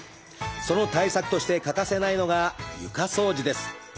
その対策として欠かせないのが床掃除です。